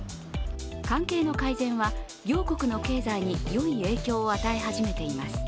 関係の改善は両国の経済によい影響を与え始めています。